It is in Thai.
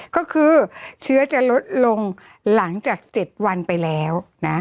ก็คือเชื้อจะลดลงหลังจาก๗วันไปแล้วนะ